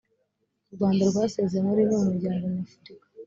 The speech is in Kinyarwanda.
u rwanda rwasezeye muri imwe mu miryango nyafurika